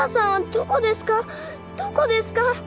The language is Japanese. どこですか？